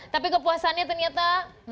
tapi kepuasannya ternyata empat